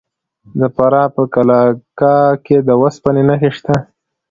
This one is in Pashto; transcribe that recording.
د فراه په قلعه کاه کې د وسپنې نښې شته.